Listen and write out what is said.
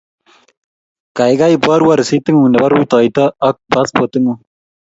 kaikai iborwo risititng'ung nebo rutoito ak paspotitng'ung